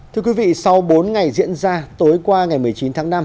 thưa quý vị sau bốn ngày diễn ra tối qua ngày một mươi chín tháng năm